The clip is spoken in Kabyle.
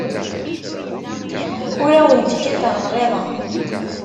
Ur awent-kkateɣ lɣiḍa.